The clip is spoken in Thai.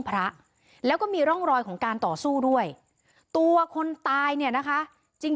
พระแล้วก็มีร่องรอยของการต่อสู้ด้วยตัวคนตายเนี่ยนะคะจริง